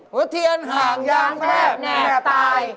หุ้ดเถียนห่างยางแทบแนดตาย